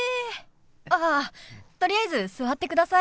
あっとりあえず座ってください。